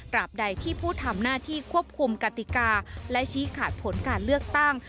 บใดที่ผู้ทำหน้าที่ควบคุมกติกาและชี้ขาดผลการเลือกตั้ง